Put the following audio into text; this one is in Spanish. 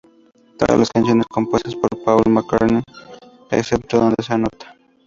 Todas las canciones compuestas por Paul McCartney, excepto donde se anota.